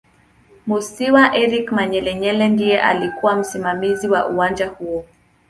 Musiiwa Eric Manyelenyele ndiye aliyekuw msimamizi wa uwanja huo